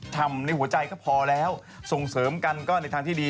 ทำในหัวใจก็พอแล้วส่งเสริมกันก็ในทางที่ดี